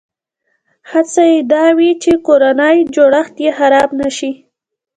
هڅه یې دا وي چې کورنی جوړښت یې خراب نه شي.